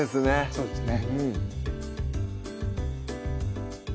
そうですね